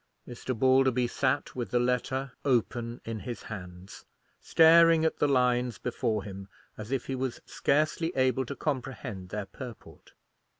Mr. Balderby sat with the letter open in his hands, staring at the lines before him as if he was scarcely able to comprehend their purport.